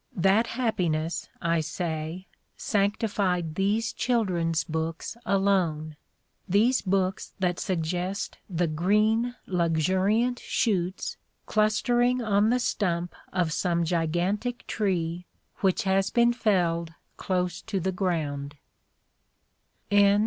That happiness, I say, sanctified these children's books alone — these books that suggest the green, luxuriant shoots clustering on the stump of some gigantic tree which has been felled close to the ground.